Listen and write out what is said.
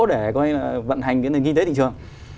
để vận hành kinh tế thị trường